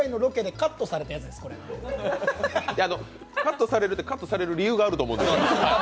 カットされるって、カットされる理由があると思うんです。